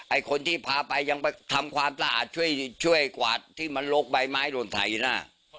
ไอ้คนที่พาไปยังไปทำความสะอาดช่วยกวาดที่มันโรคใบไม้โดนไถนะ